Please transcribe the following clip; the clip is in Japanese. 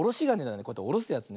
こうやっておろすやつ。